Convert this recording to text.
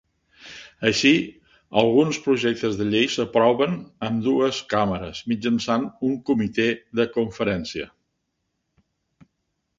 Així, alguns projectes de llei s'aproven a ambdues Cambres mitjançant un comitè de conferència.